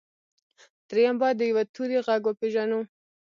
درېيم بايد د يوه توري غږ وپېژنو.